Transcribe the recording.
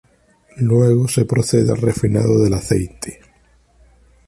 Luego se procede al refinado del aceite.